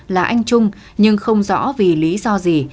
là anh trung nhưng không rõ vì lý do gì